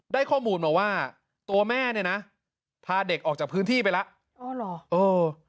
ได้ข้อมูลมาว่าตัวแม่เนี่ยนะพาเด็กออกจากพื้นที่ไปแล้วอ๋อเหรอเออ